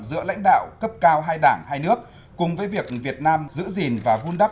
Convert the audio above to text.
giữa lãnh đạo cấp cao hai đảng hai nước cùng với việc việt nam giữ gìn và vun đắp